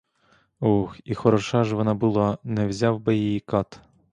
Ох, і хороша ж вона була, не взяв би її кат!